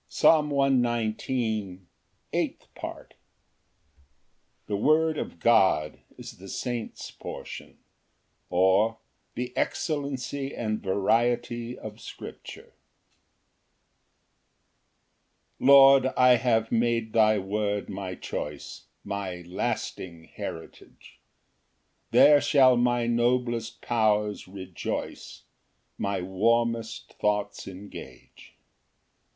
Psalm 119:08. Eighth Part. The word of God is the saint's portion; or, The excellency and variety of scripture. Ver. 111. paraphrased. 1 Lord, I have made thy word my choice, My lasting heritage; There shall my noblest powers rejoice, My warmest thoughts engage.